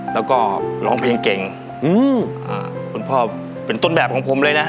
แล้วก็ร้องเพลงเก่งอืมอ่าคุณพ่อเป็นต้นแบบของผมเลยนะ